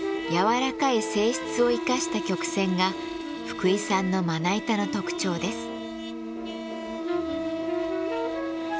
軟らかい性質を生かした曲線が福井さんのまな板の特徴です。